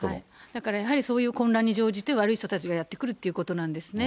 だからやはり、そういう混乱に乗じて悪い人たちがやって来るということなんですね。